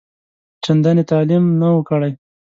چنداني تعلیم نه وو کړی.